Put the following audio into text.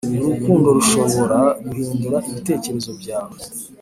urukundo rushobora guhindura ibitekerezo byawe